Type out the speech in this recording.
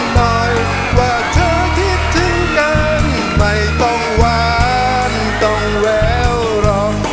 หน่อยว่าเธอคิดถึงกันไม่ต้องหวานต้องแววหรอก